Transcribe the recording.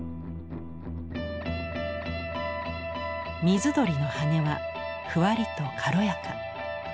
水鳥の羽はふわりと軽やか。